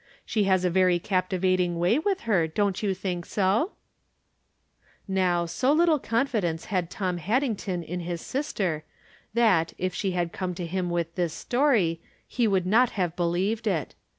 She has a very captivating way with her ; don't you think so ?" ISTow, so little confidence had Tom Haddington in Iris sister that, if she had come to him with this story, he would not have believed it.